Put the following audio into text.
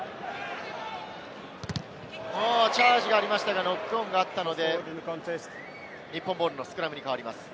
チャージがありましたが、ノックオンがありましたので、日本ボールのスクラムに変わります。